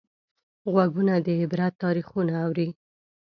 غوږونه د عبرت تاریخونه اوري